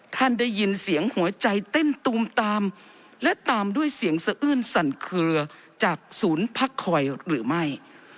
ท่านได้ยินเสียงหัวใจเต้นตูมตามและตามด้วยเสียงสะอื้นสั่นเคลือจากศูนย์พักคอยหรือไม่